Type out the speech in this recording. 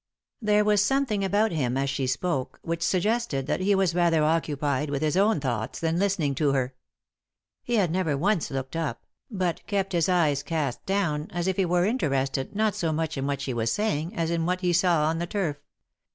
There was something about him, as she spoke, which suggested that he was rather occupied with his own thoughts than listening to her. He had never once looked up, but kept his eyes cast down as if he were interested not so much in what she was saying as in what he saw on the turf.